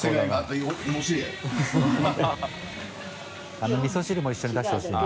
あのみそ汁も一緒に出してほしいな。